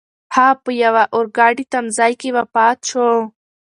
هغه په یوه اورګاډي تمځای کې وفات شو.